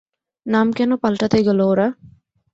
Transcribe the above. নাম কেন পাল্টাতে গেল ওরা?